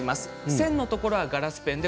線のところはガラスペンで。